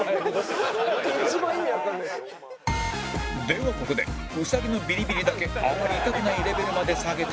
ではここで兎のビリビリだけあまり痛くないレベルまで下げてみる